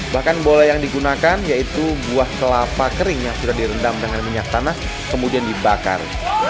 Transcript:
bahkan bola yang digunakan yaitu buah kelapa kering yang sudah direndam dengan minyak tanah kemudian dibakar